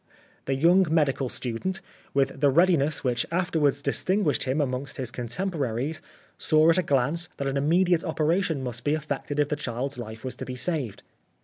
The young medical student, with the readiness which after wards distinguished him amongst his contem poraries, saw at a glance that an immediate operation must be effected if the child's life was to be saved.